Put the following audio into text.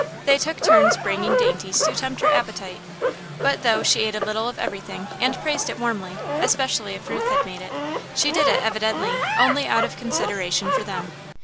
They took turns bringing dainties to tempt her appetite, but, though she ate a little of everything and praised it warmly, especially if Ruth had made it, she did it, evidently, only out of consideration for them.